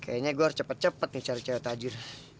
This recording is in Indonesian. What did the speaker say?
kayaknya gua harus cepet cepet cari cewek tajir